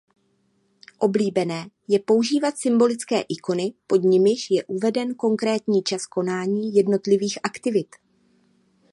Oblíbené je používat symbolické ikony pod nimiž je uveden konkrétní čas konání jednotlivých aktivit.